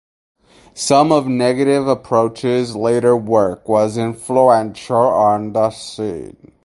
Some of Negative Approach's later work was influential on the scene.